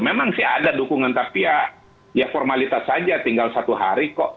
memang sih ada dukungan tapi ya formalitas saja tinggal satu hari kok